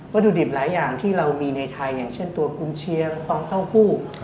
ถุดิบหลายอย่างที่เรามีในไทยอย่างเช่นตัวกุญเชียงฟองเต้าหู้